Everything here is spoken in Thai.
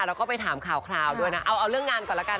แล้วก็ไปถามข่าวด้วยนะเอาเรื่องงานก่อนละกัน